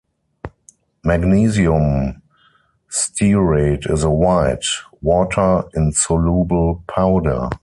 Magnesium stearate is a white, water-insoluble powder.